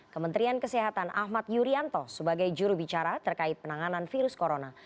kementerian kesehatan ahmad yuryanto sebagai jurubicara terkait penanganan virus corona